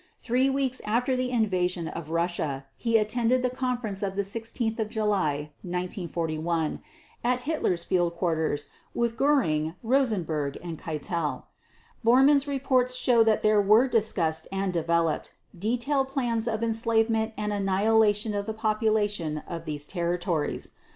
Three weeks after the invasion of Russia, he attended the conference of 16 July 1941 at Hitler's field quarters with Göring, Rosenberg, and Keitel; Bormann's reports show that there were discussed and developed detailed plans of enslavement and annihilation of the population of these territories.